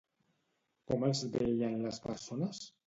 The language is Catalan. Com els veien les persones?